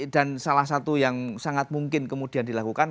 dan salah satu yang sangat mungkin kemudian dilakukan